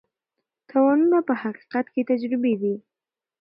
تاوانونه په حقیقت کې تجربې دي.